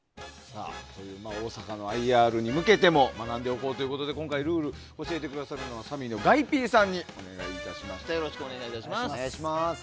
大阪のＩＲに向けても学んでいこうということで今回、ルールを教えてくださるのはＳａｍｍｙのガイＰさんにお願いしています。